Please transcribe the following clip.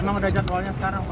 emang udah jadwalnya sekarang